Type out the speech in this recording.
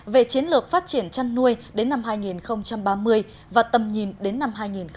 về chiến lược phát triển chăn nuôi đến năm hai nghìn ba mươi và tầm nhìn đến năm hai nghìn bốn mươi